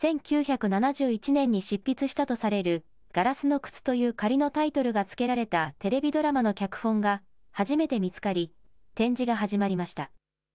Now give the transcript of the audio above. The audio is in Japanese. １９７１年に執筆したとされる、ガラスの靴という仮のタイトルが付けられたテレビドラマの脚本が、初めて見つかり、展示が始まりました。